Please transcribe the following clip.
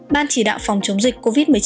ban chỉ đạo phòng chống dịch covid một mươi chín